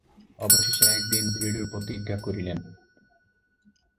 অবশেষে একদিন দৃঢ় প্রতিজ্ঞা করিলেন।